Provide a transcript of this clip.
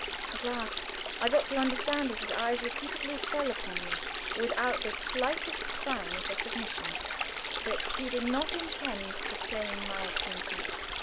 At last I got to understand as his eyes repeatedly fell upon me without the slightest sign of recognition, that he did not intend to claim my acquaintance.